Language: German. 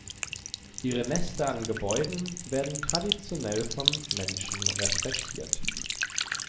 Ihre Nester an Gebäuden werden traditionell vom Menschen respektiert.